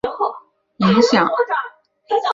其思想颇受欧陆哲学及佛学之影响。